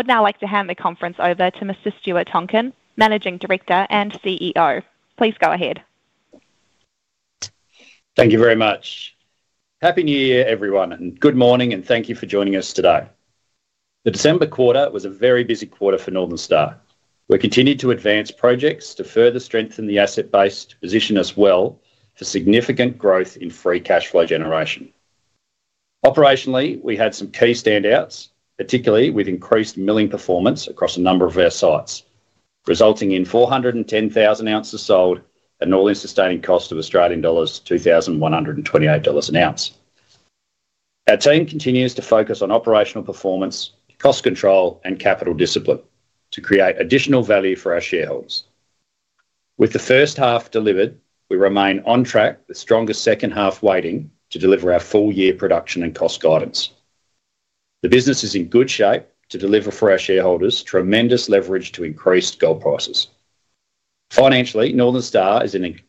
I would now like to hand the conference over to Mr. Stuart Tonkin, Managing Director and CEO. Please go ahead. Thank you very much. Happy New Year, everyone, and good morning, and thank you for joining us today. The December quarter was a very busy quarter for Northern Star. We continued to advance projects to further strengthen the asset base to position us well for significant growth in free cash flow generation. Operationally, we had some key standouts, particularly with increased milling performance across a number of our sites, resulting in 410,000 ounces sold at an all-in sustaining cost of Australian dollars 2,128 an ounce. Our team continues to focus on operational performance, cost control, and capital discipline to create additional value for our shareholders. With the first half delivered, we remain on track with stronger second half weighting to deliver our full-year production and cost guidance. The business is in good shape to deliver for our shareholders tremendous leverage to increased gold prices. Financially, Northern Star is in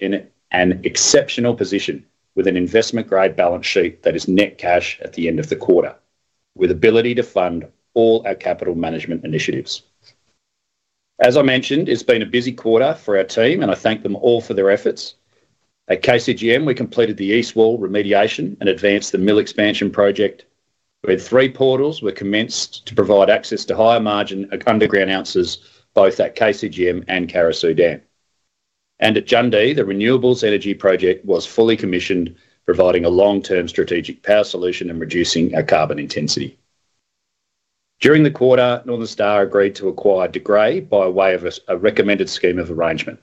an exceptional position with an investment-grade balance sheet that is net cash at the end of the quarter, with ability to fund all our capital management initiatives. As I mentioned, it's been a busy quarter for our team, and I thank them all for their efforts. At KCGM, we completed the East Wall remediation and advanced the mill expansion project. With three portals, we commenced to provide access to higher margin underground ounces both at KCGM and Carosue Dam, and at Jundee, the renewables energy project was fully commissioned, providing a long-term strategic power solution and reducing our carbon intensity. During the quarter, Northern Star agreed to acquire De Grey by way of a recommended scheme of arrangement.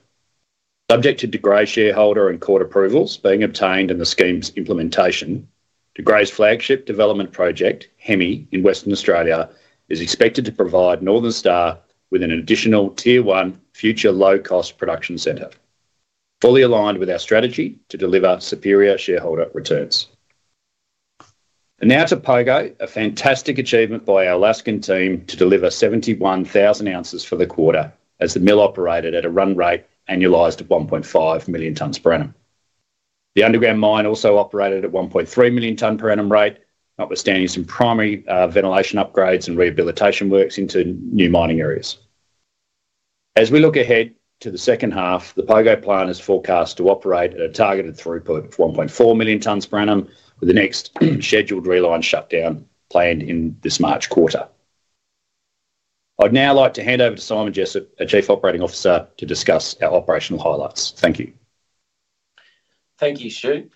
Subject to De Grey shareholder and court approvals being obtained in the scheme's implementation, De Grey's flagship development project, Hemi, in Western Australia is expected to provide Northern Star with an additional tier one future low-cost production center, fully aligned with our strategy to deliver superior shareholder returns. And now to Pogo, a fantastic achievement by our Alaskan team to deliver 71,000 ounces for the quarter as the mill operated at a run rate annualized at 1.5 million tonnes per annum. The underground mine also operated at a 1.3 million tonnes per annum rate, notwithstanding some primary ventilation upgrades and rehabilitation works into new mining areas. As we look ahead to the second half, the Pogo plant is forecast to operate at a targeted throughput of 1.4 million tonnes per annum, with the next scheduled reline shutdown planned in this March quarter. I'd now like to hand over to Simon Jessop, our Chief Operating Officer, to discuss our operational highlights. Thank you. Thank you, Stu.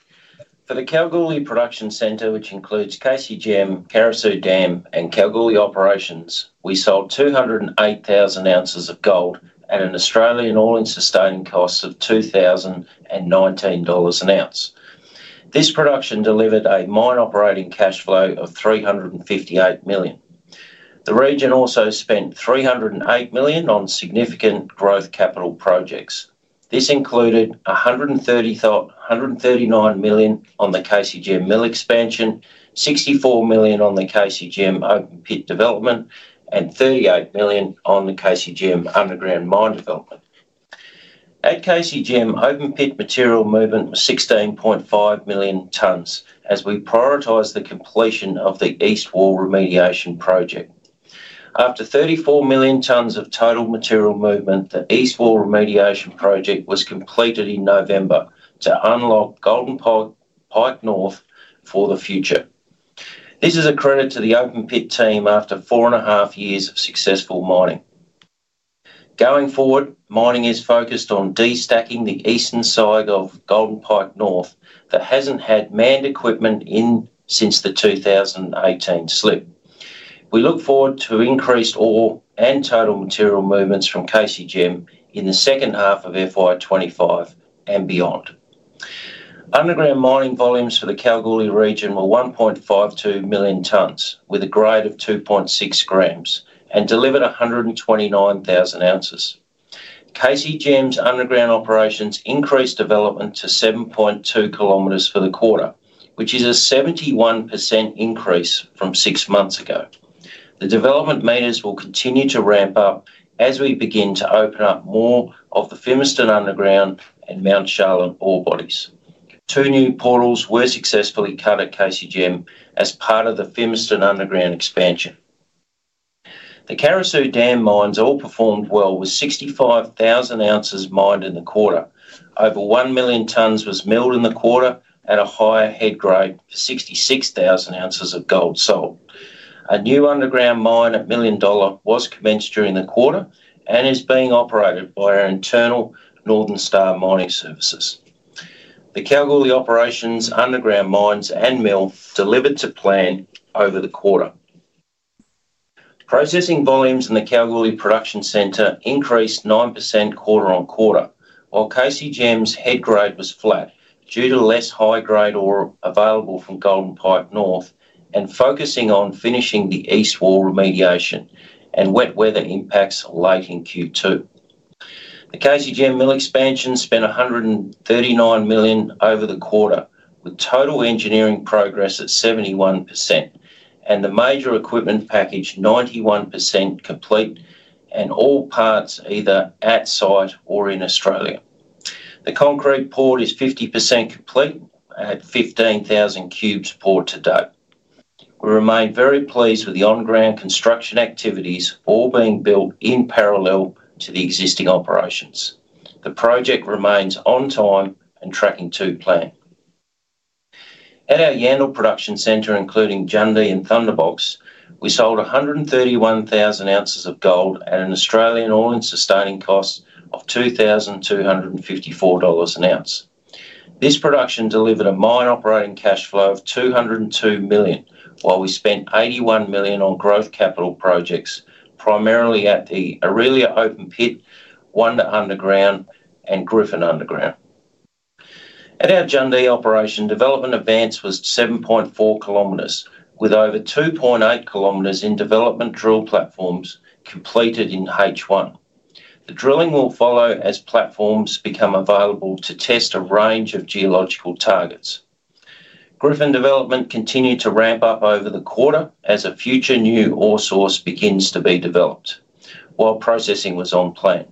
For the Kalgoorlie production center, which includes KCGM, Carosue Dam, and Kalgoorlie operations, we sold 208,000 ounces of gold at an Australian all-in sustaining cost of 2,019 dollars an ounce. This production delivered a mine-operating cash flow of 358 million. The region also spent 308 million on significant growth capital projects. This included 139 million on the KCGM mill expansion, 64 million on the KCGM open pit development, and 38 million on the KCGM underground mine development. At KCGM, open pit material movement was 16.5 million tonnes as we prioritized the completion of the East Wall remediation project. After 34 million tonnes of total material movement, the East Wall remediation project was completed in November to unlock Golden Pike North for the future. This is a credit to the open pit team after four and a half years of successful mining. Going forward, mining is focused on de-stacking the eastern side of Golden Pike North that hasn't had manned equipment in since the 2018 slip. We look forward to increased ore and total material movements from KCGM in the second half of FY 2025 and beyond. Underground mining volumes for the Kalgoorlie region were 1.52 million tonnes with a grade of 2.6 g and delivered 129,000 ounces. KCGM's underground operations increased development to 7.2 km for the quarter, which is a 71% increase from six months ago. The development meters will continue to ramp up as we begin to open up more of the Fimiston underground and Mount Charlotte ore bodies. Two new portals were successfully cut at KCGM as part of the Fimiston underground expansion. The Carosue Dam mines all performed well with 65,000 ounces mined in the quarter. Over one million tonnes was milled in the quarter at a higher head grade for 66,000 ounces of gold sold. A new underground mine, Millennium, was commenced during the quarter and is being operated by our internal Northern Star Mining Services. The Kalgoorlie operations, underground mines, and mill delivered to plan over the quarter. Processing volumes in the Kalgoorlie production center increased 9% quarter on quarter, while KCGM's head grade was flat due to less high-grade ore available from Golden Pike North and focusing on finishing the East Wall remediation and wet weather impacts late in Q2. The KCGM mill expansion spent $139 million over the quarter, with total engineering progress at 71%, and the major equipment package 91% complete and all parts either at site or in Australia. The concrete pour is 50% complete at 15,000 cubes poured to date. We remain very pleased with the on-ground construction activities all being built in parallel to the existing operations. The project remains on time and tracking to plan. At our Yandal production center, including Jundee and Thunderbox, we sold 131,000 ounces of gold at an Australian all-in sustaining cost of 2,254 dollars an ounce. This production delivered a mine-operating cash flow of 202 million, while we spent 81 million on growth capital projects primarily at the Orelia open pit, Wonder underground, and Griffin underground. At our Jundee operation, development advance was 7.4 km, with over 2.8 km in development drill platforms completed in H1. The drilling will follow as platforms become available to test a range of geological targets. Griffin development continued to ramp up over the quarter as a future new ore source begins to be developed while processing was on plan.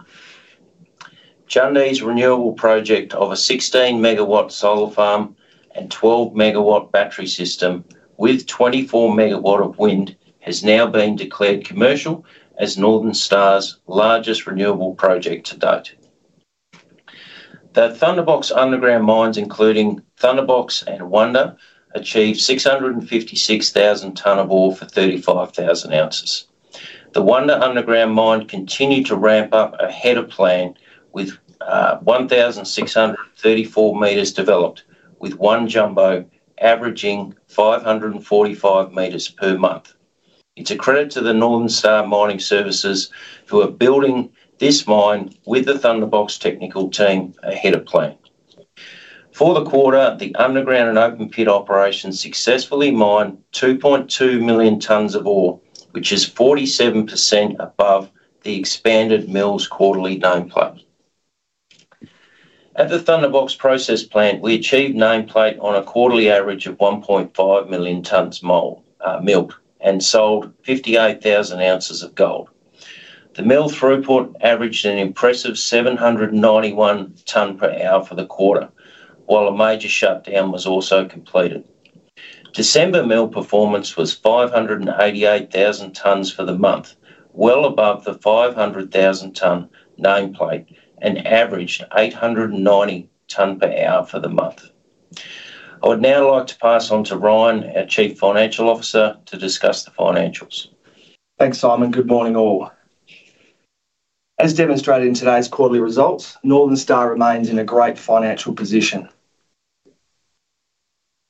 Jundee's renewable project of a 16 MW solar farm and 12 MW battery system with 24 MW of wind has now been declared commercial as Northern Star's largest renewable project to date. The Thunderbox underground mines, including Thunderbox and Wonder, achieved 656,000 tonne of ore for 35,000 ounces. The Wonder underground mine continued to ramp up ahead of plan with 1,634 m developed, with one jumbo averaging 545 m per month. It's a credit to the Northern Star Mining Services who are building this mine with the Thunderbox technical team ahead of plan. For the quarter, the underground and open pit operations successfully mined 2.2 million tonnes of ore, which is 47% above the expanded mill's quarterly nameplate. At the Thunderbox process plant, we achieved nameplate on a quarterly average of 1.5 million tonnes milled and sold 58,000 ounces of gold. The mill throughput averaged an impressive 791 tonnes per hour for the quarter, while a major shutdown was also completed. December mill performance was 588,000 tonnes for the month, well above the 500,000-tonne nameplate and averaged 890 tonnes per hour for the month. I would now like to pass on to Ryan, our Chief Financial Officer, to discuss the financials. Thanks, Simon. Good morning, all. As demonstrated in today's quarterly results, Northern Star remains in a great financial position.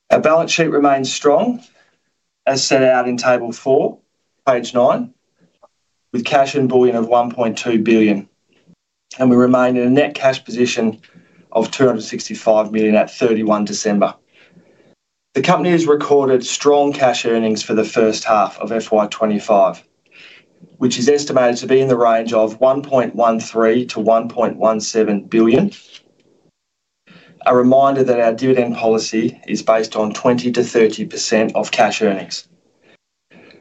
Our balance sheet remains strong, as set out in table four, page nine, with cash and bullion of 1.2 billion, and we remain in a net cash position of 265 million at 31 December. The company has recorded strong cash earnings for the first half of FY 2025, which is estimated to be in the range of 1.13 billion-1.17 billion. A reminder that our dividend policy is based on 20% to 30% of cash earnings.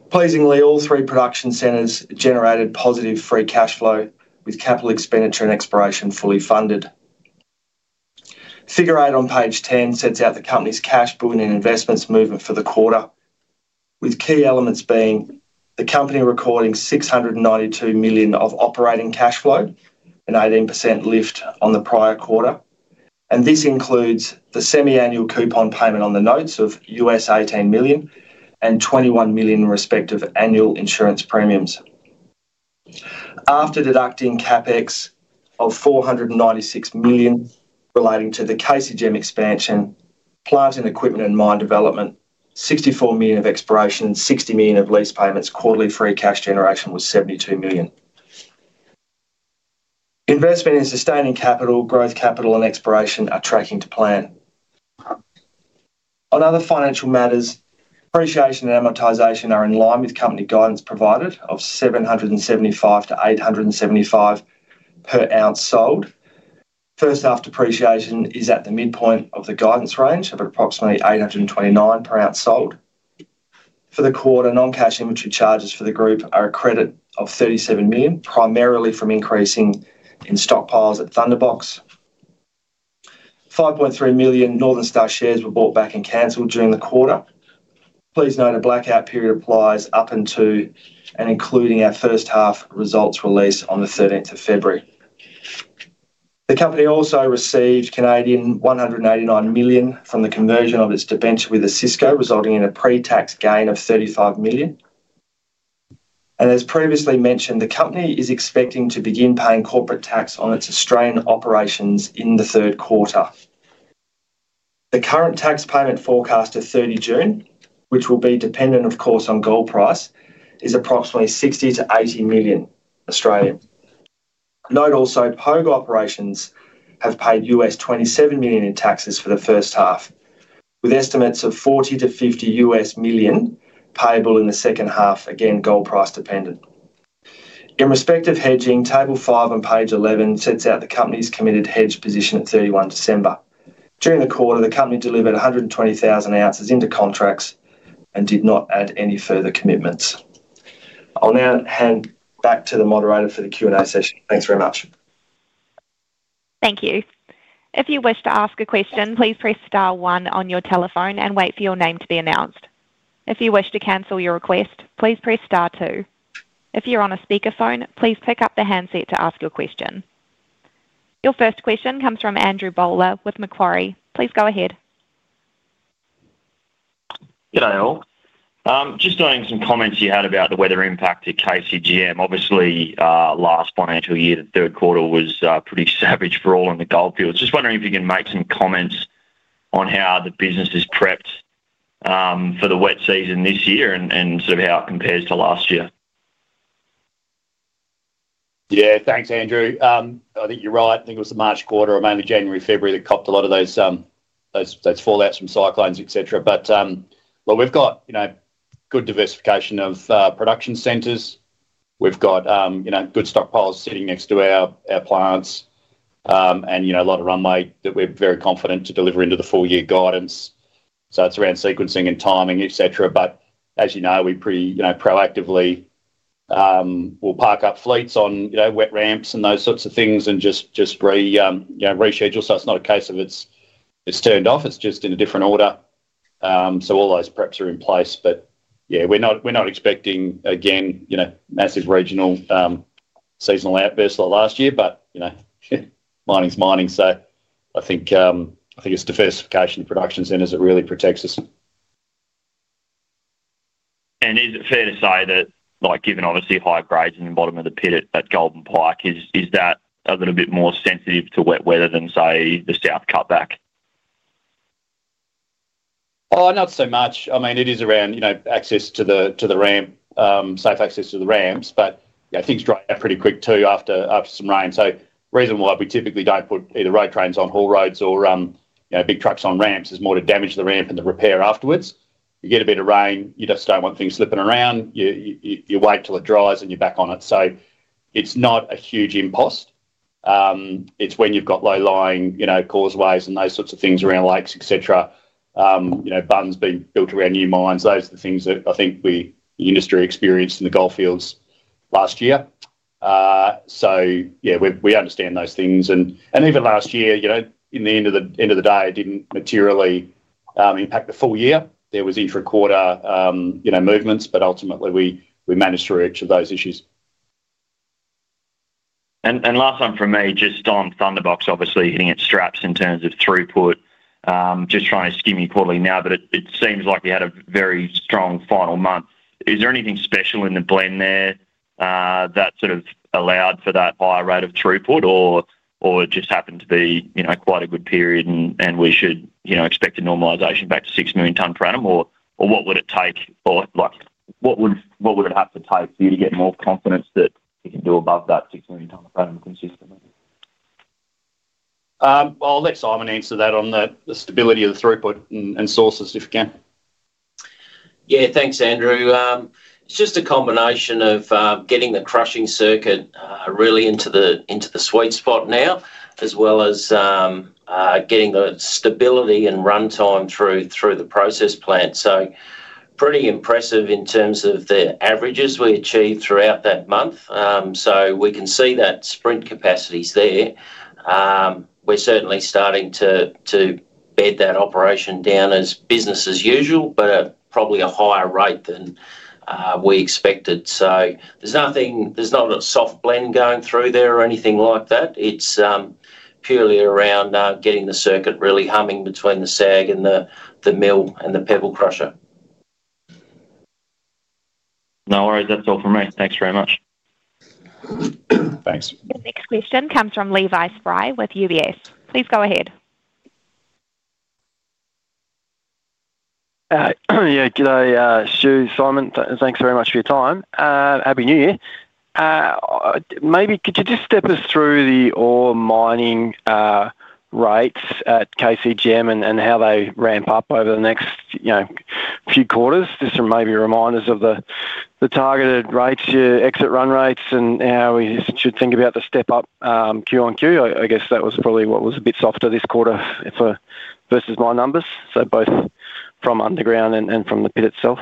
Pleasingly, all three production centers generated positive free cash flow, with capital expenditure and exploration fully funded. Figure 8 on page 10 sets out the company's cash, bullion, and investments movement for the quarter, with key elements being the company recording $692 million of operating cash flow, an 18% lift on the prior quarter, and this includes the semi-annual coupon payment on the notes of $18 million and $21 million respective annual insurance premiums. After deducting CapEx of $496 million relating to the KCGM expansion, plant and equipment and mine development, $64 million of exploration, and $60 million of lease payments, quarterly free cash generation was $72 million. Investment in sustaining capital, growth capital, and exploration are tracking to plan. On other financial matters, depreciation and amortization are in line with company guidance provided of $775 to $875 per ounce sold. First-half depreciation is at the midpoint of the guidance range of approximately $829 per ounce sold. For the quarter, non-cash inventory charges for the group are a credit of AUD 37 million, primarily from increasing in stockpiles at Thunderbox. AUD 5.3 million Northern Star shares were bought back and cancelled during the quarter. Please note a blackout period applies up until and including our first half results release on the 13th of February. The company also received 189 million Canadian dollars from the conversion of its debenture with Osisko, resulting in a pre-tax gain of AUD 35 million. As previously mentioned, the company is expecting to begin paying corporate tax on its Australian operations in the third quarter. The current tax payment forecast to 30th June, which will be dependent, of course, on gold price, is approximately 60 to 80 million. Note also Pogo operations have paid $27 million in taxes for the first half, with estimates of $40 to $50 million payable in the second half, again gold price dependent. In respect of hedging, Table 5 on page 11 sets out the company's committed hedge position at 31 December. During the quarter, the company delivered 120,000 ounces into contracts and did not add any further commitments. I'll now hand back to the moderator for the Q&A session. Thanks very much. Thank you. If you wish to ask a question, please press star one on your telephone and wait for your name to be announced. If you wish to cancel your request, please press star two. If you're on a speakerphone, please pick up the handset to ask your question. Your first question comes from Andrew Bowler with Macquarie. Please go ahead. G'day all. Just noting some comments you had about the weather impact at KCGM. Obviously, last financial year to third quarter was pretty savage for all in the goldfield. Just wondering if you can make some comments on how the business is prepped for the wet season this year and sort of how it compares to last year? Yeah, thanks, Andrew. I think you're right. I think it was the March quarter or maybe January, February that copped a lot of those fallouts from cyclones, etc. But, well, we've got good diversification of production centers. We've got good stockpiles sitting next to our plants and a lot of runway that we're very confident to deliver into the full year guidance. So it's around sequencing and timing, etc. But as you know, we pretty proactively will park up fleets on wet ramps and those sorts of things and just reschedule so it's not a case of it's turned off, it's just in a different order. So all those preps are in place. But yeah, we're not expecting, again, massive regional seasonal outbursts like last year, but mining's mining. So I think it's diversification of production centers that really protects us. And is it fair to say that, given obviously high grades in the bottom of the pit at Golden Pike, is that a little bit more sensitive to wet weather than, say, the South Cutback? Oh, not so much. I mean, it is around access to the ramp, safe access to the ramps, but things dry up pretty quick too after some rain. So the reason why we typically don't put either road trains on haul roads or big trucks on ramps is more to damage the ramp and the repair afterwards. You get a bit of rain, you just don't want things slipping around. You wait till it dries and you're back on it. So it's not a huge impost. It's when you've got low-lying causeways and those sorts of things around lakes, etc., bunds being built around new mines. Those are the things that I think the industry experienced in the goldfields last year. So yeah, we understand those things and even last year, in the end of the day, it didn't materially impact the full year. There was intra-quarter movements, but ultimately we managed to reach those issues. And last one from me, just on Thunderbox, obviously hitting its straps in terms of throughput, just trying to skim you quarterly now, but it seems like you had a very strong final month. Is there anything special in the blend there that sort of allowed for that higher rate of throughput, or it just happened to be quite a good period and we should expect a normalization back to six million tonnes per annum? Or what would it take, or what would it have to take for you to get more confidence that you can do above that six million tonnes per annum consistently? Let Simon answer that on the stability of the throughput and sources, if you can. Yeah, thanks, Andrew. It's just a combination of getting the crushing circuit really into the sweet spot now, as well as getting the stability and runtime through the process plant. So pretty impressive in terms of the averages we achieved throughout that month. So we can see that plant capacity's there. We're certainly starting to bed that operation down as business as usual, but at probably a higher rate than we expected. So there's not a soft blend going through there or anything like that. It's purely around getting the circuit really humming between the SAG and the mill and the pebble crusher. No worries. That's all from me. Thanks very much. Thanks. The next question comes from Levi Spry with UBS. Please go ahead. Yeah, G'day Stu, Simon. Thanks very much for your time. Happy New Year. Maybe could you just step us through the ore mining rates at KCGM and how they ramp up over the next few quarters? Just maybe remind us of the targeted rates, your exit run rates, and how we should think about the step-up Q1Q. I guess that was probably what was a bit softer this quarter versus my numbers, so both from underground and from the pit itself.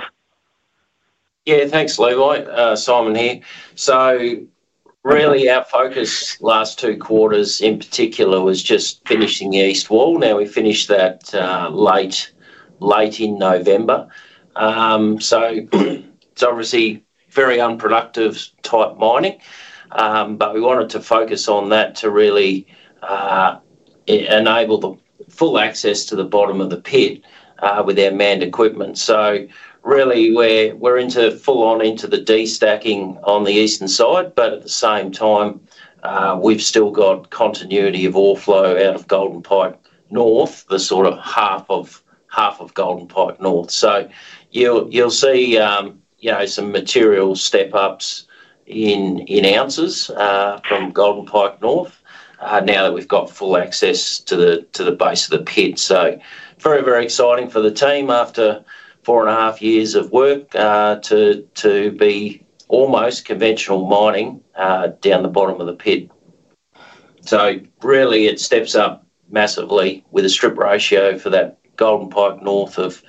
Yeah, thanks, Levi. Simon here. Really our focus last two quarters in particular was just finishing the East Wall. Now we finished that late in November. It's obviously very unproductive type mining, but we wanted to focus on that to really enable the full access to the bottom of the pit with our manned equipment. Really we're full-on into the de-stacking on the eastern side, but at the same time we've still got continuity of ore flow out of Golden Pike North, the sort of half of Golden Pike North. You'll see some material step-ups in ounces from Golden Pike North now that we've got full access to the base of the pit. Very, very exciting for the team after four and a half years of work to be almost conventional mining down the bottom of the pit. So really it steps up massively with a strip ratio for that Golden Pike North of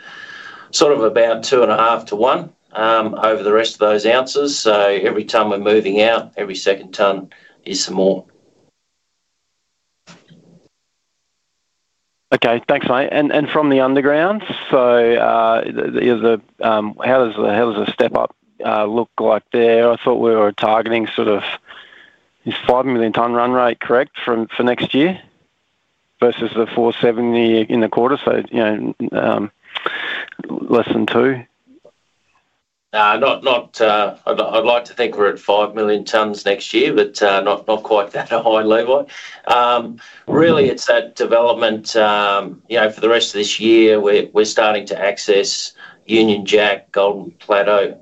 sort of about two and a half to one over the rest of those ounces. So every time we're moving out, every second ton is some more. Okay, thanks, mate, and from the underground, so how does a step-up look like there? I thought we were targeting sort of this 5 million tonne run rate, correct, for next year versus the 470 in the quarter, so less than two? I'd like to think we're at five million tonnes next year, but not quite that high, Levi. Really it's that development for the rest of this year. We're starting to access Union Jack, Golden Plateau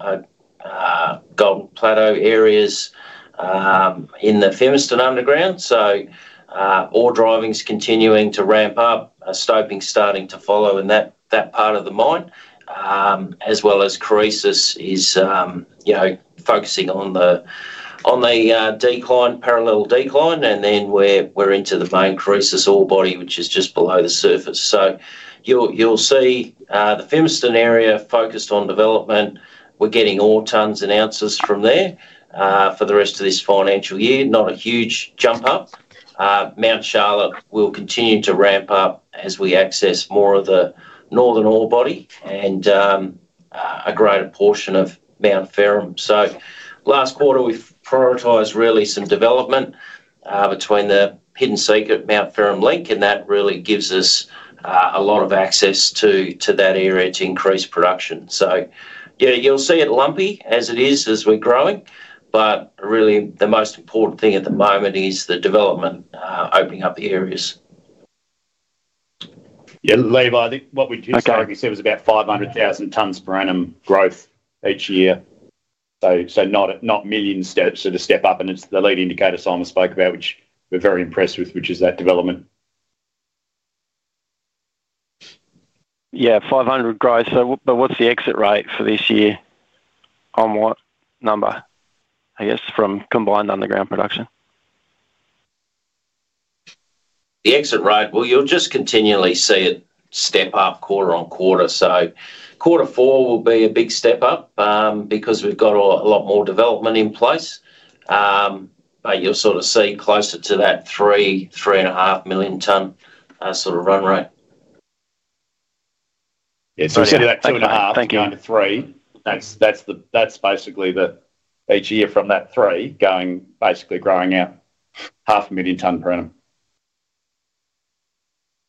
areas in the Fimiston underground. So ore driving's continuing to ramp up, stoping starting to follow in that part of the mine, as well as Carosue Dam is focusing on the decline, parallel decline, and then we're into the main Carosue Dam ore body, which is just below the surface. So you'll see the Fimiston area focused on development. We're getting ore tonnes and ounces from there for the rest of this financial year. Not a huge jump up. Mount Charlotte will continue to ramp up as we access more of the northern ore body and a greater portion of Mount Ferrum. So last quarter we prioritised really some development between the Hidden Secret Mount Ferrum link, and that really gives us a lot of access to that area to increase production, so yeah, you'll see it lumpy as it is as we're growing, but really the most important thing at the moment is the development opening up the areas. Yeah, Levi, I think what we just heard you said was about 500,000 tonnes per annum growth each year. So not million steps sort of step up, and it's the leading indicator Simon spoke about, which we're very impressed with, which is that development. Yeah, 500 gross. But what's the exit rate for this year on what number, I guess, from combined underground production? The exit rate, well, you'll just continually see it step up quarter on quarter. So quarter four will be a big step up because we've got a lot more development in place. But you'll sort of see closer to that three, three and a half million tonne sort of run rate. Yeah, so we said about two and a half to three. That's basically each year from that three going basically growing out 500,000 tonnes per annum.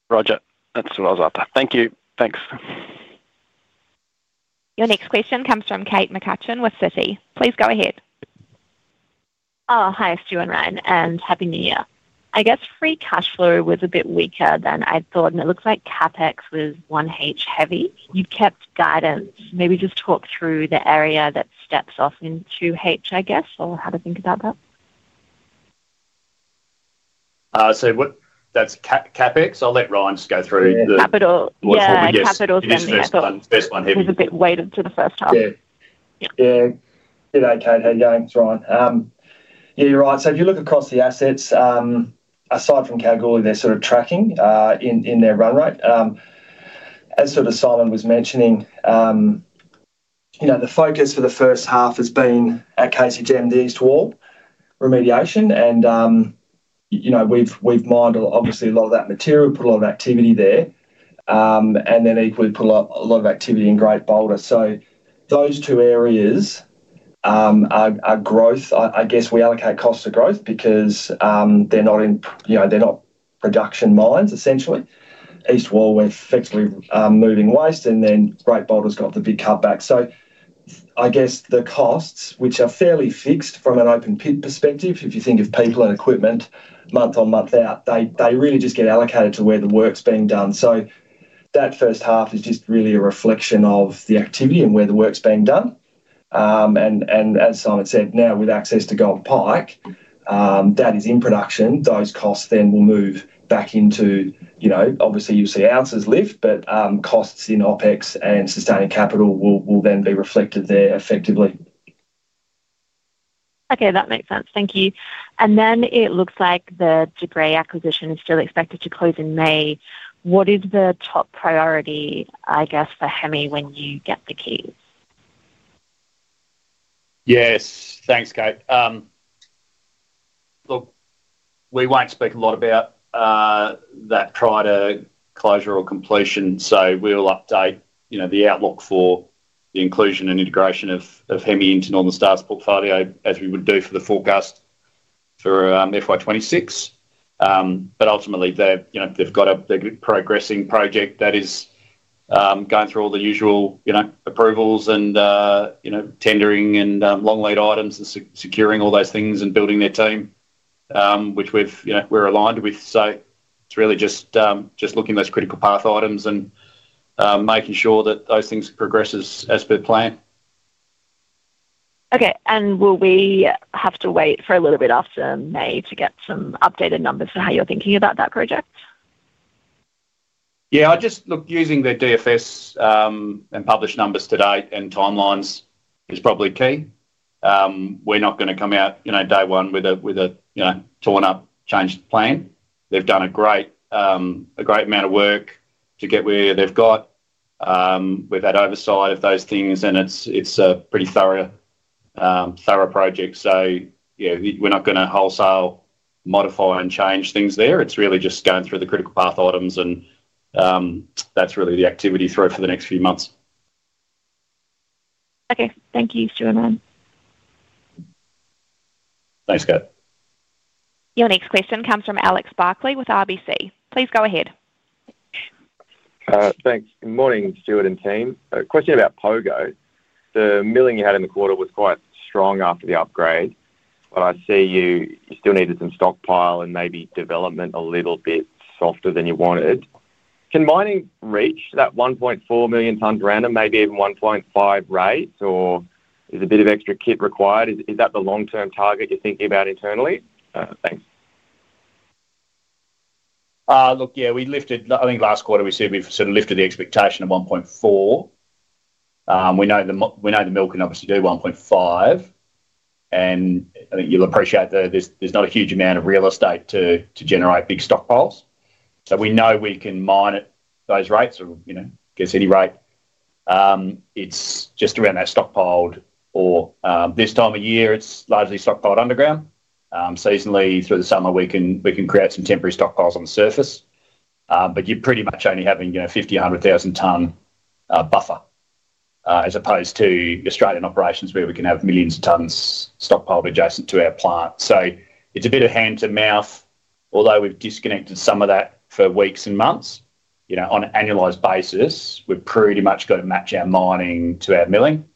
Roger. That's all I was after. Thank you. Thanks. Your next question comes from Kate McCutcheon with Citi. Please go ahead. Oh, hi, Stu and Ryan, and happy New Year. I guess free cash flow was a bit weaker than I'd thought, and it looks like CapEx was one H heavy. You've kept guidance. Maybe just talk through the area that steps off into H, I guess, or how to think about that. So that's CapEx. I'll let Ryan just go through. Capital. Yeah, Capital's been the first one. He was a bit weighted to the first time. Yeah. G'day, Kate. How are you going, Ryan? Yeah, you're right. So if you look across the assets, aside from Kalgoorlie they're sort of tracking in their run rate. As sort of Simon was mentioning, the focus for the first half has been at KCGM, the East Wall, remediation. And we've mined obviously a lot of that material, put a lot of activity there, and then equally put a lot of activity in Great Boulder. So those two areas are growth. I guess we allocate costs to growth because they're not production mines, essentially. East Wall, we're effectively moving waste, and then Great Boulder's got the big cutback. So I guess the costs, which are fairly fixed from an open pit perspective, if you think of people and equipment month on month out, they really just get allocated to where the work's being done. So that first half is just really a reflection of the activity and where the work's being done. And as Simon said, now with access to Golden Pike, that is in production, those costs then will move back into obviously you'll see ounces lift, but costs in OpEx and sustaining capital will then be reflected there effectively. Okay, that makes sense. Thank you. And then it looks like the De Grey acquisition is still expected to close in May. What is the top priority, I guess, for Hemi when you get the keys? Yes, thanks, Kate. Look, we won't speak a lot about that prior to closure or completion, so we'll update the outlook for the inclusion and integration of Hemi into Northern Star's portfolio as we would do for the forecast for FY 2026. But ultimately they've got a progressing project that is going through all the usual approvals and tendering and long lead items and securing all those things and building their team, which we're aligned with. So it's really just looking at those critical path items and making sure that those things progress as per plan. Okay. And will we have to wait for a little bit after May to get some updated numbers for how you're thinking about that project? Yeah, I just look using the DFS and published numbers today and timelines is probably key. We're not going to come out day one with a torn-up, changed plan. They've done a great amount of work to get where they've got. We've had oversight of those things, and it's a pretty thorough project. So yeah, we're not going to wholesale modify and change things there. It's really just going through the critical path items, and that's really the activity through it for the next few months. Okay. Thank you, Stu and Ryan. Thanks, Kate. Your next question comes from Alexander Barclay with RBC. Please go ahead. Thanks. Good morning, Stuart and team. Question about Pogo. The milling you had in the quarter was quite strong after the upgrade, but I see you still needed some stockpile and maybe development a little bit softer than you wanted. Can mining reach that 1.4 million tonnes per annum, maybe even 1.5 rate, or is a bit of extra kit required? Is that the long-term target you're thinking about internally? Thanks. Look, yeah, I think last quarter we said we've sort of lifted the expectation of 1.4. We know the mill can obviously do 1.5, and I think you'll appreciate there's not a huge amount of real estate to generate big stockpiles. So we know we can mine at those rates or I guess any rate. It's just around that stockpiled or this time of year it's largely stockpiled underground. Seasonally through the summer we can create some temporary stockpiles on the surface, but you're pretty much only having 50,000, 100,000 tonnes buffer as opposed to Australian operations where we can have millions of tonnes stockpiled adjacent to our plant. So it's a bit of hand-to-mouth, although we've disconnected some of that for weeks and months. On an annualized basis, we're pretty much going to match our mining to our milling,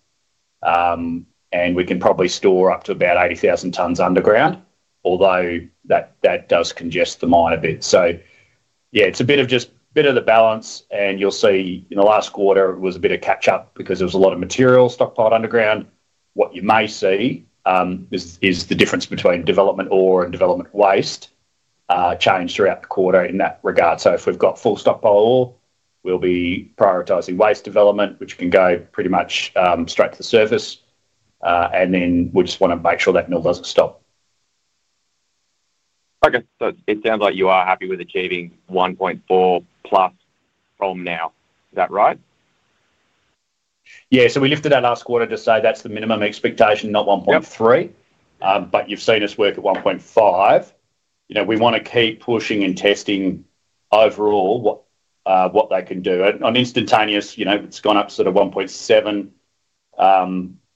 and we can probably store up to about 80,000 tons underground, although that does congest the mine a bit. So yeah, it's a bit of just a bit of the balance, and you'll see in the last quarter it was a bit of catch-up because there was a lot of material stockpiled underground. What you may see is the difference between development ore and development waste change throughout the quarter in that regard. So if we've got full stockpile ore, we'll be prioritizing waste development, which can go pretty much straight to the surface, and then we just want to make sure that mill doesn't stop. Okay. So it sounds like you are happy with achieving 1.4+ from now. Is that right? Yeah. So we lifted that last quarter to say that's the minimum expectation, not 1.3, but you've seen us work at 1.5. We want to keep pushing and testing overall what they can do. On instantaneous, it's gone up to sort of 1.7,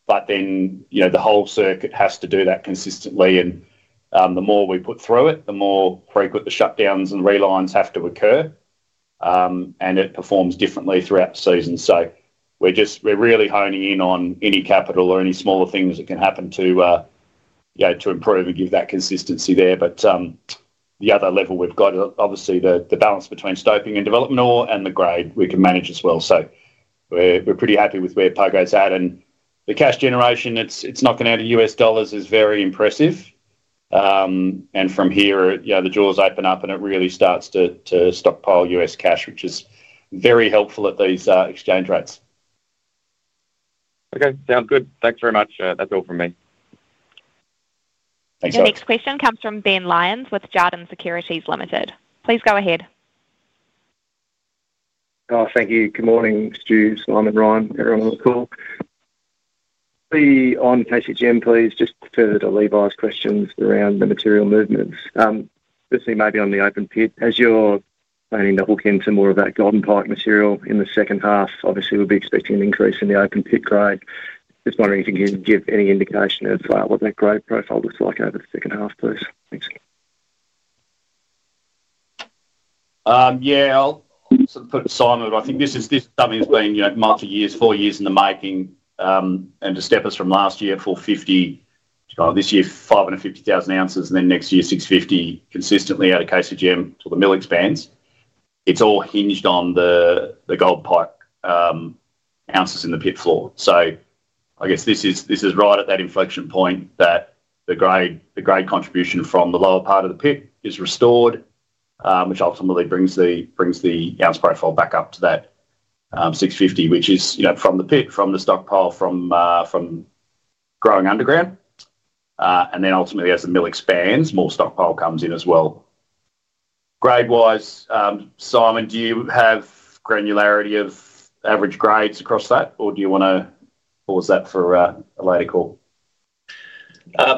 but then the whole circuit has to do that consistently, and the more we put through it, the more frequent the shutdowns and relines have to occur, and it performs differently throughout the season. So we're really honing in on any capital or any smaller things that can happen to improve and give that consistency there. But the other level we've got, obviously the balance between stoping and development ore and the grade, we can manage as well. So we're pretty happy with where Pogo's at, and the cash generation, it's knocking out of U.S. dollars is very impressive. From here, the jaws open up and it really starts to stockpile U.S. cash, which is very helpful at these exchange rates. Okay. Sounds good. Thanks very much. That's all from me. Thanks, Ry. Your next question comes from Ben Lyons with Jarden. Please go ahead. Oh, thank you. Good morning, Stu, Simon, Ryan, everyone on the call. On KCGM, please, just to the Levi's questions around the material movements, especially maybe on the open pit, as you're planning to hook into more of that Golden Pike material in the second half, obviously we'll be expecting an increase in the open pit grade. Just wondering if you can give any indication of what that grade profile looks like over the second half, please. Thanks. Yeah, I'll sort of put Simon. I think this is something that's been months, years, four years in the making, and to step us from last year for 50, this year 550,000 ounces, and then next year 650 consistently out of KCGM till the mill expands. It's all hinged on the Golden Pike ounces in the pit floor. So I guess this is right at that inflection point that the grade contribution from the lower part of the pit is restored, which ultimately brings the ounce profile back up to that 650, which is from the pit, from the stockpile, from growing underground. And then ultimately, as the mill expands, more stockpile comes in as well. Grade-wise, Simon, do you have granularity of average grades across that, or do you want to pause that for a later call?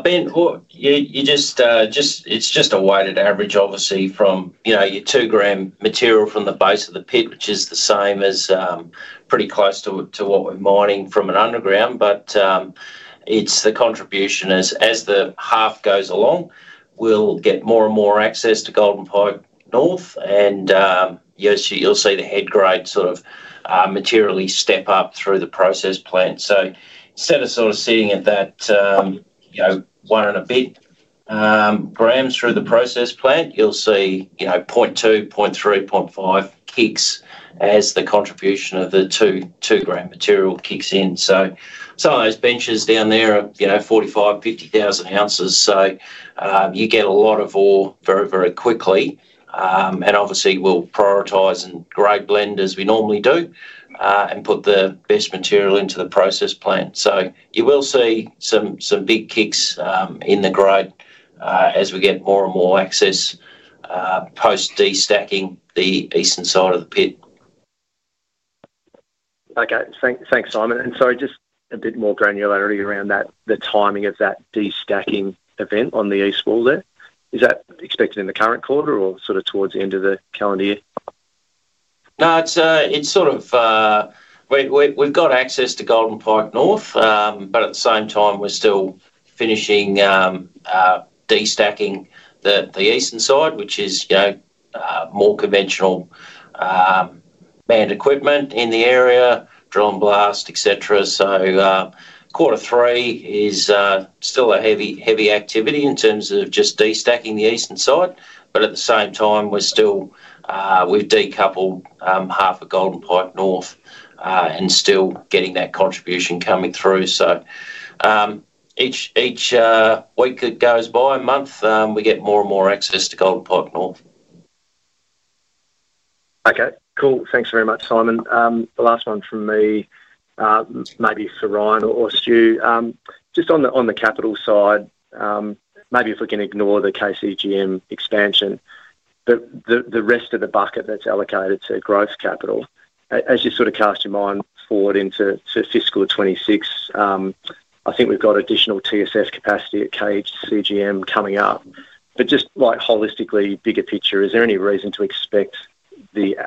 Ben, it's just a weighted average, obviously, from your two gram material from the base of the pit, which is the same as pretty close to what we're mining from an underground, but the contribution is, as the half goes along, we'll get more and more access to Golden Pike North, and you'll see the head grade sort of materially step up through the process plant. So instead of sort of sitting at that one and a bit gram through the process plant, you'll see 0.2, 0.3, 0.5 kicks as the contribution of the two gram material kicks in. So some of those benches down there are 45,000, 50,000 ounces, so you get a lot of ore very, very quickly, and obviously we'll prioritize and grade blend as we normally do and put the best material into the process plant. So you will see some big kicks in the grade as we get more and more access post-de-stacking the eastern side of the pit. Okay. Thanks, Simon, and sorry, just a bit more granularity around the timing of that de-stacking event on the East Wall there. Is that expected in the current quarter or sort of towards the end of the calendar year? No, it's sort of we've got access to Golden Pike North, but at the same time, we're still finishing de-stacking the eastern side, which is more conventional manned equipment in the area, drill and blast, etc. So quarter three is still a heavy activity in terms of just de-stacking the eastern side, but at the same time, we've decoupled half of Golden Pike North and still getting that contribution coming through. So each week that goes by, month, we get more and more access to Golden Pike North. Okay. Cool. Thanks very much, Simon. The last one from me, maybe for Ryan or Stu, just on the capital side, maybe if we can ignore the KCGM expansion, but the rest of the bucket that's allocated to growth capital, as you sort of cast your mind forward into fiscal 2026, I think we've got additional TSF capacity at KCGM coming up. But just holistically, bigger picture, is there any reason to expect the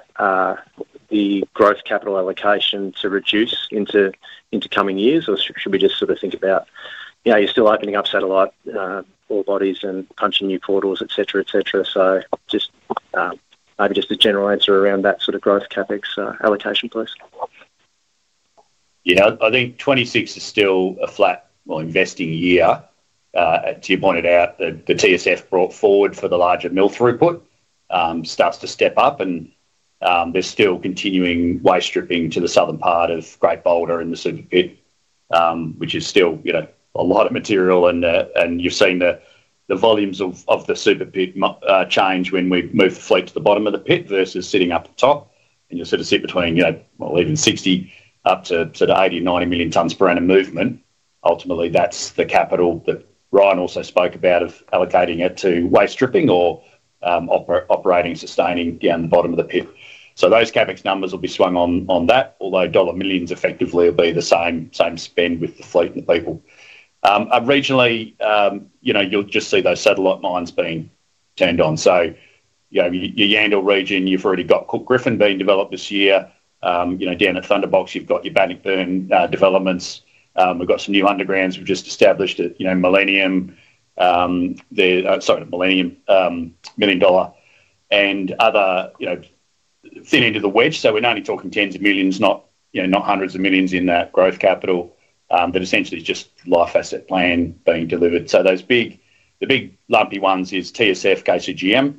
growth capital allocation to reduce into coming years, or should we just sort of think about you're still opening up satellite ore bodies and punching new portals, etc., etc.? So maybe just a general answer around that sort of growth CapEx allocation, please. Yeah, I think 2026 is still a flat, well, investing year. To your point about the TSF brought forward for the larger mill throughput starts to step up, and there's still continuing waste stripping to the southern part of Great Boulder and the Super Pit, which is still a lot of material. And you've seen the volumes of the Super Pit change when we move the fleet to the bottom of the pit versus sitting up at the top. And you'll sort of sit between, well, even 60 up to 80-90 million tonnes per annum movement. Ultimately, that's the capital that Ryan also spoke about of allocating it to waste stripping or operating, sustaining down the bottom of the pit. So those CapEx numbers will be swung on that, although dollar millions effectively will be the same spend with the fleet and the people. Regionally, you'll just see those satellite mines being turned on. Your Yandal region, you've already got Griffin being developed this year. Down at Thunderbox, you've got your Bannockburn developments. We've got some new undergrounds we've just established at Millennium and other thin end of the wedge. We're not only talking tens of millions, not hundreds of millions in that growth capital, but essentially just life asset plan being delivered. The big lumpy ones is TSF, KCGM,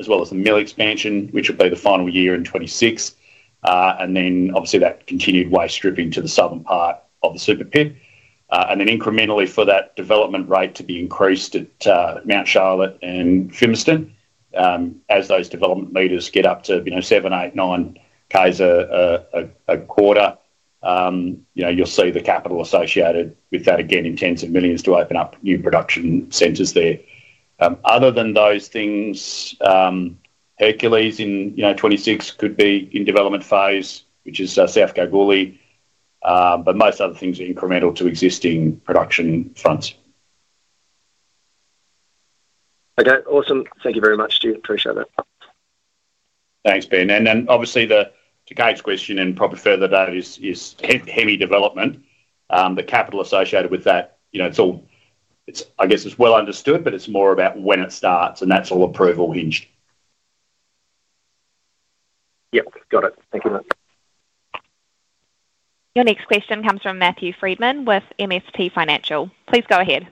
as well as the mill expansion, which will be the final year in 2026. Then obviously that continued waste stripping to the southern part of the Super Pit. Then incrementally for that development rate to be increased at Mount Charlotte and Fimiston, as those development meters get up to from 7k, 8k, 9ks a quarter, you'll see the capital associated with that again, in tens of millions to open up new production centers there. Other than those things, Hercules in 2026 could be in development phase, which is South Kalgoorlie, but most other things are incremental to existing production fronts. Okay. Awesome. Thank you very much, Stu. Appreciate it. Thanks, Ben. And then, obviously, to Kate's question and probably further, that is heavy development. The capital associated with that, I guess it's well understood, but it's more about when it starts, and that's all approval hinged. Yep. Got it. Thank you. Your next question comes from Matthew Frydman with MST Financial. Please go ahead.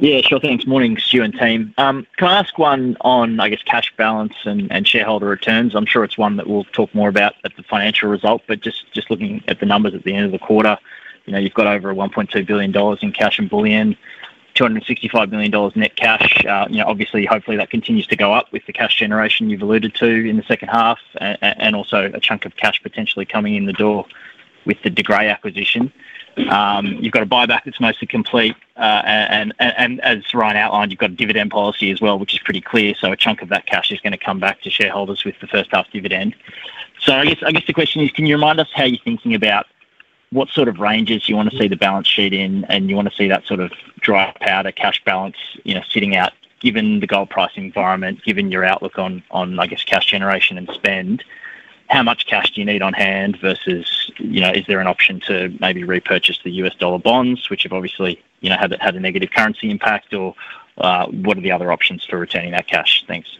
Yeah, sure. Thanks. Morning, Stu and team. Can I ask one on, I guess, cash balance and shareholder returns? I'm sure it's one that we'll talk more about at the financial result, but just looking at the numbers at the end of the quarter, you've got over 1.2 billion dollars in cash and bullion, 265 million dollars net cash. Obviously, hopefully that continues to go up with the cash generation you've alluded to in the second half and also a chunk of cash potentially coming in the door with the De Grey acquisition. You've got a buyback that's mostly complete. And as Ryan outlined, you've got a dividend policy as well, which is pretty clear. So a chunk of that cash is going to come back to shareholders with the first half dividend. So I guess the question is, can you remind us how you're thinking about what sort of ranges you want to see the balance sheet in, and you want to see that sort of dry powder cash balance sitting out, given the gold price environment, given your outlook on, I guess, cash generation and spend? How much cash do you need on hand versus is there an option to maybe repurchase the U.S. dollar bonds, which have obviously had a negative currency impact, or what are the other options for retaining that cash? Thanks.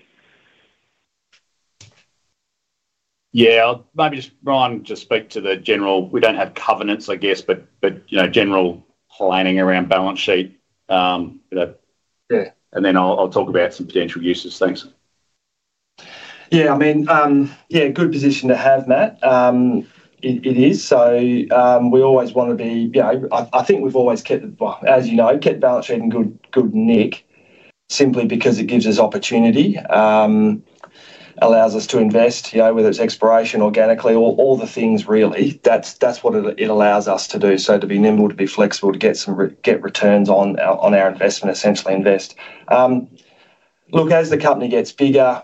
Yeah. Maybe just Ryan just speak to the general. We don't have covenants, I guess, but general planning around balance sheet, and then I'll talk about some potential uses. Thanks. Yeah. I mean, yeah, good position to have, Matt. It is. So we always want to be. I think we've always kept, as you know, kept balance sheet in good nick simply because it gives us opportunity, allows us to invest, whether it's exploration, organically, all the things really. That's what it allows us to do. So to be nimble to be flexible to get returns on our investment, essentially invest. Look, as the company gets bigger,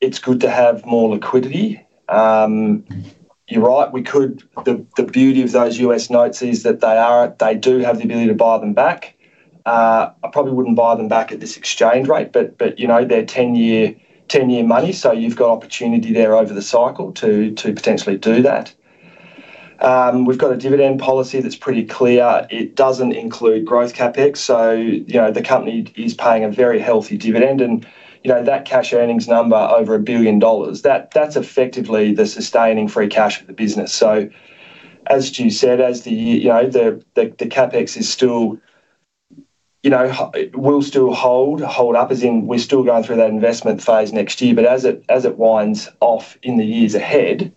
it's good to have more liquidity. You're right. The beauty of those US notes is that they do have the ability to buy them back. I probably wouldn't buy them back at this exchange rate, but they're 10-year money, so you've got opportunity there over the cycle to potentially do that. We've got a dividend policy that's pretty clear. It doesn't include growth CapEx. The company is paying a very healthy dividend, and that cash earnings number over 1 billion dollars, that's effectively the sustaining free cash of the business. As Stu said, the CapEx will still hold up, as in we're still going through that investment phase next year. But as it winds off in the years ahead,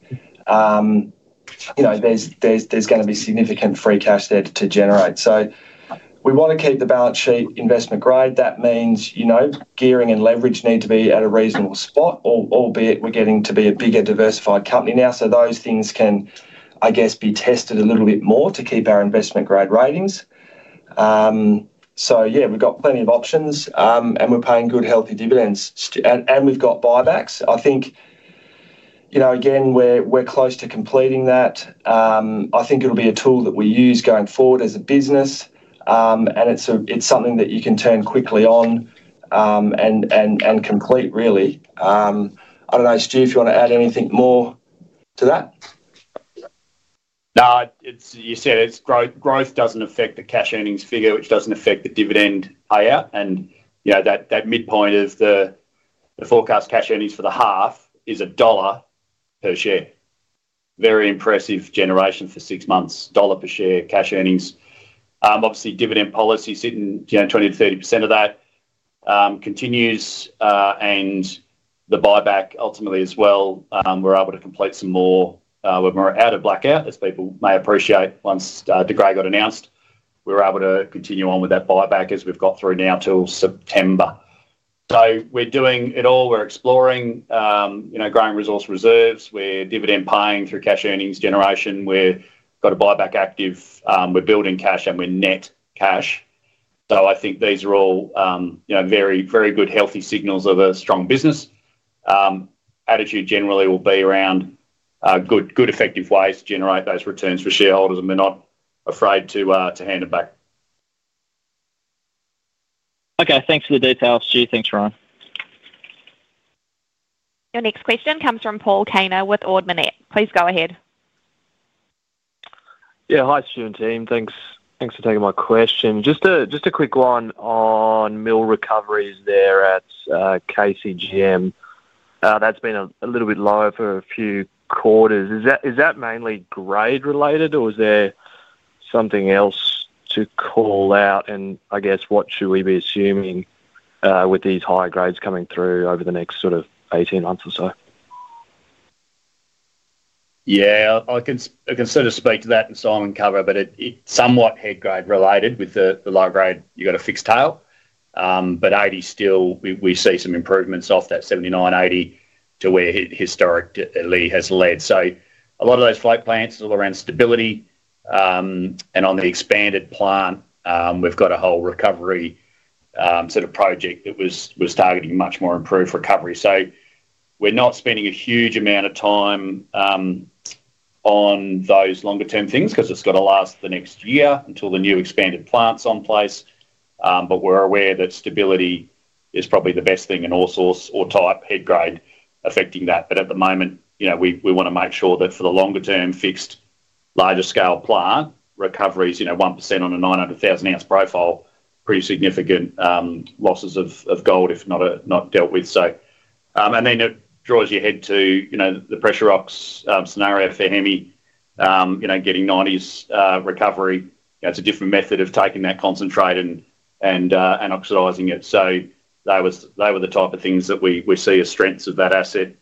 there's going to be significant free cash there to generate. We want to keep the balance sheet investment grade. That means gearing and leverage need to be at a reasonable spot, albeit we're getting to be a bigger diversified company now. Those things can, I guess, be tested a little bit more to keep our investment grade ratings. Yeah, we've got plenty of options, and we're paying good, healthy dividends. We've got buybacks. I think, again, we're close to completing that. I think it'll be a tool that we use going forward as a business, and it's something that you can turn quickly on and complete, really. I don't know, Stu, if you want to add anything more to that. No, you said its growth doesn't affect the cash earnings figure, which doesn't affect the dividend payout. And that midpoint of the forecast cash earnings for the half is $1 per share. Very impressive generation for six months, $1 per share cash earnings. Obviously, dividend policy sitting 20%-30% of that continues, and the buyback ultimately as well. We're able to complete some more. We're more out of blackout, as people may appreciate once De Grey got announced. We were able to continue on with that buyback as we've got through now till September. So we're doing it all. We're exploring growing resource reserves. We're dividend paying through cash earnings generation. We've got a buyback active. We're building cash, and we're net cash. So I think these are all very good, healthy signals of a strong business. Attitude generally will be around good, effective ways to generate those returns for shareholders, and we're not afraid to hand them back. Okay. Thanks for the details, Stu. Thanks, Ryan. Your next question comes from Paul Kaner with Ord Minnett. Please go ahead. Yeah. Hi, Stu and team. Thanks for taking my question. Just a quick one on mill recoveries there at KCGM. That's been a little bit lower for a few quarters. Is that mainly grade related, or is there something else to call out? And I guess, what should we be assuming with these higher grades coming through over the next sort of 18 months or so? Yeah. I can sort of speak to that and Simon cover, but it's somewhat head grade related with the low grade you've got a fixed tail, but 80 still, we see some improvements off that 79-80 to where historically has led, so a lot of those float plants are all around stability, and on the expanded plant, we've got a whole recovery sort of project that was targeting much more improved recovery, so we're not spending a huge amount of time on those longer-term things because it's got to last the next year until the new expanded plant's online, but we're aware that stability is probably the best thing in all source or type head grade affecting that. But at the moment, we want to make sure that for the longer-term fixed larger scale plant, recovery is 1% on a 900,000 ounce profile, pretty significant losses of gold if not dealt with. And then it draws your head to the pressure ox scenario for Hemi, getting 90% recovery. It's a different method of taking that concentrate and oxidizing it. So they were the type of things that we see as strengths of that asset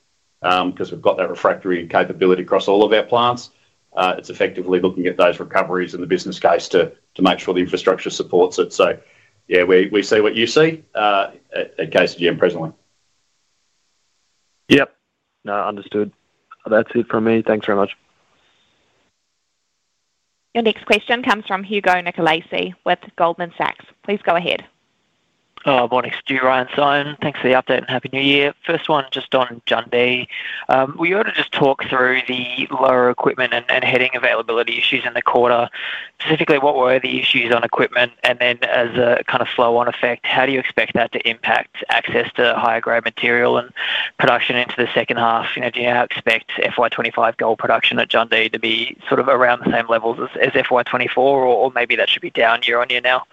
because we've got that refractory capability across all of our plants. It's effectively looking at those recoveries in the business case to make sure the infrastructure supports it. So yeah, we see what you see at KCGM presently. Yep. No, understood. That's it from me. Thanks very much. Your next question comes from Hugo Nicolaci with Goldman Sachs. Please go ahead. Morning, Stu, Ryan, Simon. Thanks for the update and Happy New Year. First one, just on Jundee. We were able to just talk through the lower equipment and heading availability issues in the quarter. Specifically, what were the issues on equipment? And then as a kind of flow-on effect, how do you expect that to impact access to higher grade material and production into the second half? Do you expect FY 2025 gold production at Jundee to be sort of around the same levels as FY 2024, or maybe that should be down year on year now?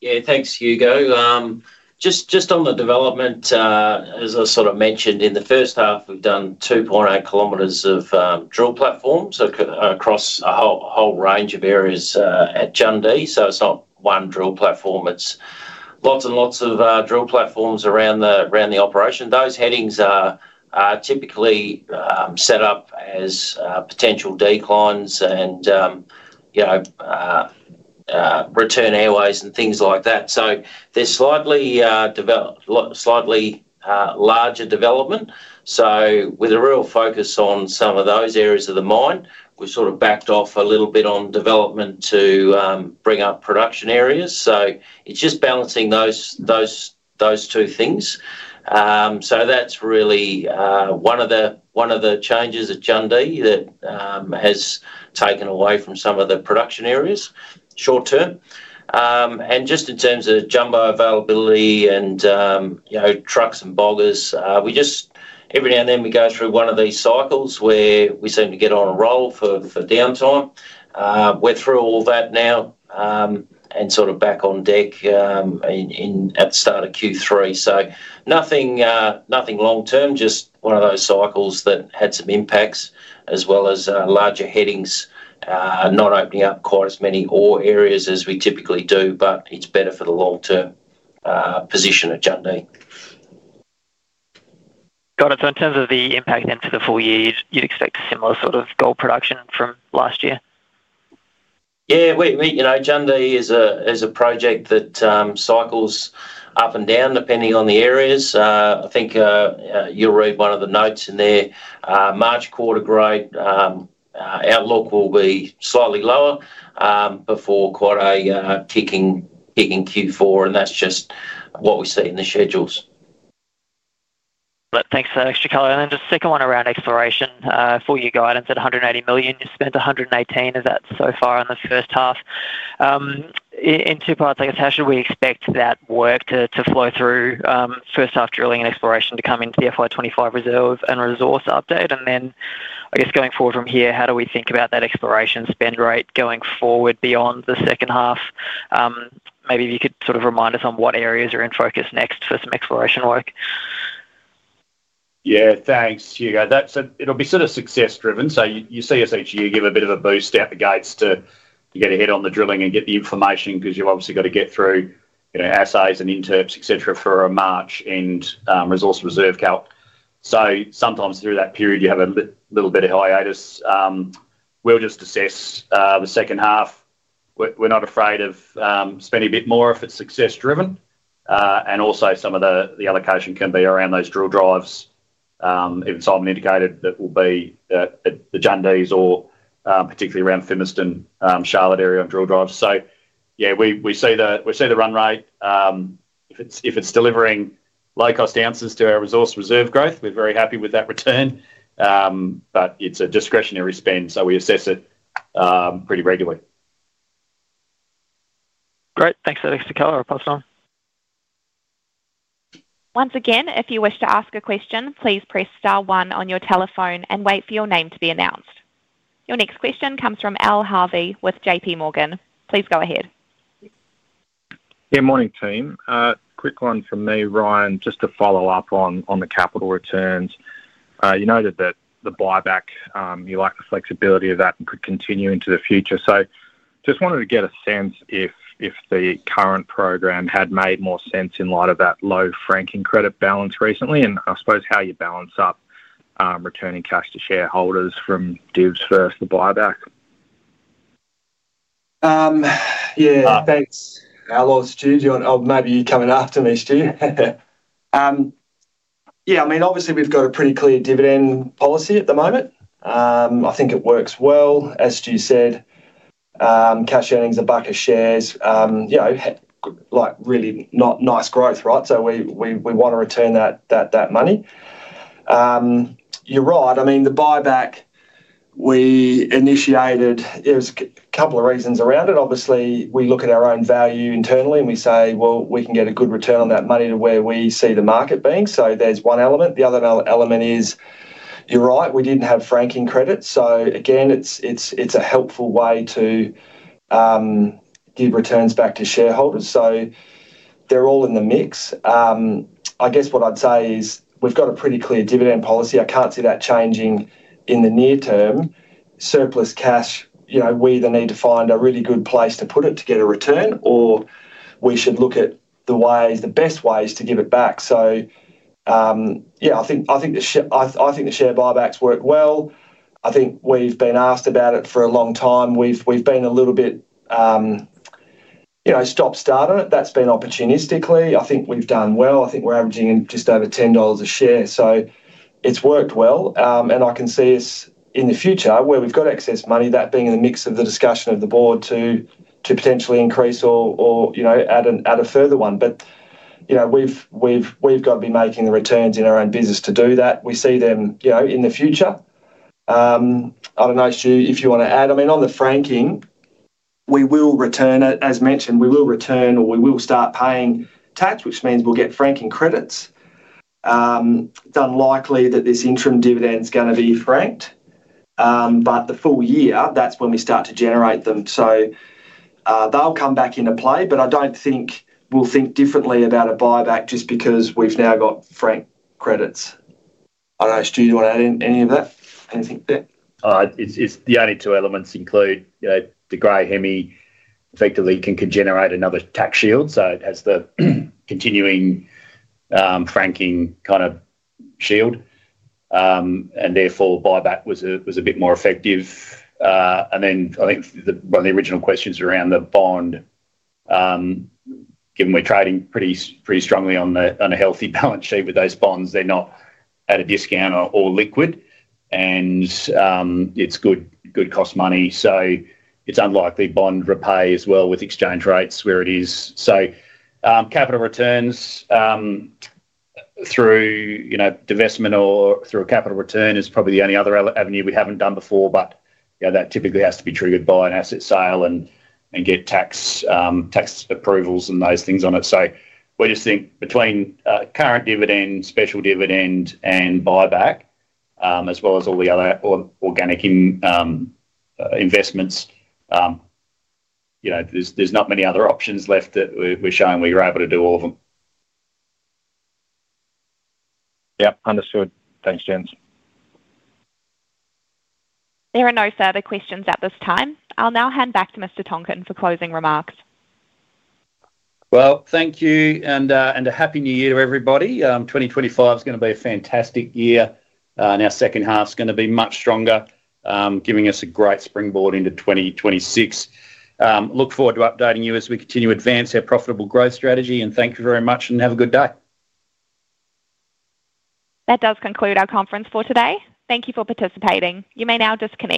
Yeah. Thanks, Hugo. Just on the development, as I sort of mentioned, in the first half, we've done 2.8 km of drill platforms across a whole range of areas at Jundee. So it's not one drill platform. It's lots and lots of drill platforms around the operation. Those headings are typically set up as potential declines and return airways and things like that. So there's slightly larger development. So with a real focus on some of those areas of the mine, we've sort of backed off a little bit on development to bring up production areas. So it's just balancing those two things. So that's really one of the changes at Jundee that has taken away from some of the production areas short term. Just in terms of jumbo availability and trucks and boggers, every now and then we go through one of these cycles where we seem to get on a roll for downtime. We're through all that now and sort of back on deck at the start of Q3, so nothing long term, just one of those cycles that had some impacts as well as larger headings not opening up quite as many ore areas as we typically do, but it's better for the long-term position at Jundee. Got it. So in terms of the impact into the full year, you'd expect similar sort of gold production from last year? Yeah. Jundee is a project that cycles up and down depending on the areas. I think you'll read one of the notes in there. March quarter grade outlook will be slightly lower before quite a kicking Q4, and that's just what we see in the schedules. Thanks, Stuart. And then just second one around exploration. Four-year guidance at 180 million. You spent 118. Is that so far in the first half? In two parts, I guess, how should we expect that work to flow through first half drilling and exploration to come into the FY 2025 reserve and resource update? And then I guess going forward from here, how do we think about that exploration spend rate going forward beyond the second half? Maybe if you could sort of remind us on what areas are in focus next for some exploration work. Yeah. Thanks, Hugo. It'll be sort of success-driven. So you see us each year give a bit of a boost out of the gates to get ahead on the drilling and get the information because you've obviously got to get through assays and interps, etc., for a March end resource reserve calc. So sometimes through that period, you have a little bit of hiatus. We'll just assess the second half. We're not afraid of spending a bit more if it's success-driven. And also some of the allocation can be around those drill drives, even Simon indicated, that will be at the Jundee's or particularly around Fimiston, Charlotte area on drill drives. So yeah, we see the run rate. If it's delivering low-cost answers to our resource reserve growth, we're very happy with that return. But it's a discretionary spend, so we assess it pretty regularly. Great. Thanks for that, Stuart. Pass it on. Once again, if you wish to ask a question, please press star one on your telephone and wait for your name to be announced. Your next question comes from Al Harvey with J.P. Morgan. Please go ahead. Yeah. Morning, team. Quick one from me, Ryan, just to follow up on the capital returns. You noted that the buyback, you like the flexibility of that and could continue into the future. So just wanted to get a sense if the current program had made more sense in light of that low franking credit balance recently and I suppose how you balance up returning cash to shareholders from divs versus the buyback. Yeah. Thanks, Al or Stu. Maybe you're coming after me, Stu. Yeah. I mean, obviously, we've got a pretty clear dividend policy at the moment. I think it works well, as Stu said. Cash earnings per basic shares, really nice growth, right? So we want to return that money. You're right. I mean, the buyback we initiated, there was a couple of reasons around it. Obviously, we look at our own value internally and we say, "Well, we can get a good return on that money to where we see the market being." So there's one element. The other element is, you're right, we didn't have franking credits. So again, it's a helpful way to give returns back to shareholders. So they're all in the mix. I guess what I'd say is we've got a pretty clear dividend policy. I can't see that changing in the near term. Surplus cash, we either need to find a really good place to put it to get a return, or we should look at the best ways to give it back. So yeah, I think the share buybacks worked well. I think we've been asked about it for a long time. We've been a little bit stop-start. That's been opportunistically. I think we've done well. I think we're averaging in just over 10 dollars a share. So it's worked well. And I can see us in the future where we've got excess money, that being in the mix of the discussion of the board to potentially increase or add a further one. But we've got to be making the returns in our own business to do that. We see them in the future. I don't know, Stu, if you want to add. I mean, on the franking, we will return. As mentioned, we will return or we will start paying tax, which means we'll get franking credits. It's unlikely that this interim dividend is going to be franked. But the full year, that's when we start to generate them. So they'll come back into play, but I don't think we'll think differently about a buyback just because we've now got franking credits. I don't know, Stu, do you want to add any of that? Anything there? It's the only two elements include depreciation effectively can generate another tax shield, so it has the continuing franking kind of shield, and therefore buyback was a bit more effective, and then I think one of the original questions around the bond, given we're trading pretty strongly on a healthy balance sheet with those bonds, they're not at a discount or illiquid, and it's good cost money, so it's unlikely bond repayment as well with exchange rates where it is, so capital returns through divestment or through a capital return is probably the only other avenue we haven't done before, but that typically has to be triggered by an asset sale and get tax approvals and those things on it. So we just think between current dividend, special dividend, and buyback, as well as all the other organic investments, there's not many other options left that we're showing we were able to do all of them. Yep. Understood. Thanks, James. There are no further questions at this time. I'll now hand back to Mr. Tonkin for closing remarks. Thank you, and a happy new year to everybody. 2025 is going to be a fantastic year. Our second half is going to be much stronger, giving us a great springboard into 2026. Look forward to updating you as we continue to advance our profitable growth strategy, and thank you very much and have a good day. That does conclude our conference for today. Thank you for participating. You may now disconnect.